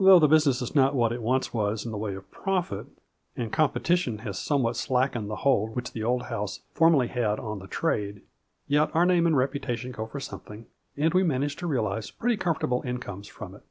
Though the business is not what it once was in the way of profit, and competition has some what slackened the hold which the old house formerly had on the trade, yet our name and reputation go for something, and we manage to realize pretty comfortable incomes from it.